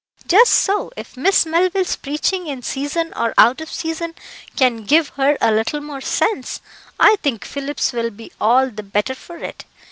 "Just so. If Miss Melville's preaching in season or out of season can give her a little more sense, I think Phillips will be all the better for it.